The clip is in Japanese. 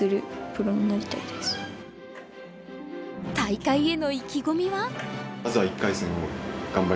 大会への意気込みは？